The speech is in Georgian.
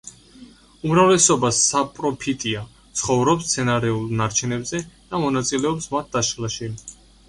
უმრავლესობა საპროფიტია, ცხოვრობს მცენარეულ ნარჩენებზე და მონაწილეობს მათ დაშლაში.